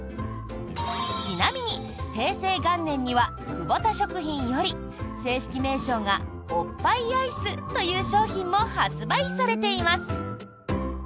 ちなみに平成元年には久保田食品より正式名称がおっぱいアイスという商品も発売されています。